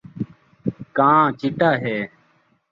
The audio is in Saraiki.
کاں چٹا ہے